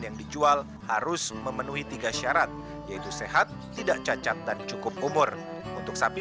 yang dijual harus memenuhi tiga syarat yaitu sehat tidak cacat dan cukup umur untuk sapi